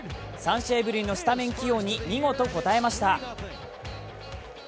３試合ぶりのスタメン起用に見事応えました。